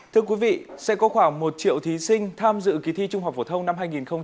thưa quý vị sẽ có khoảng một triệu thí sinh tham dự kỳ thi trung học phổ thông năm hai nghìn hai mươi